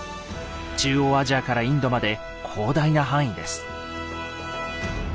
中央アジアからインドまで広大な範囲です。